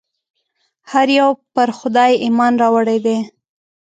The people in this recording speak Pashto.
هر یو پر خدای ایمان راوړی دی.